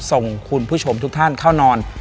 ส่งคุณผู้ชมทุกท่านเข้านอน